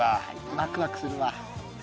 ワクワクするわ。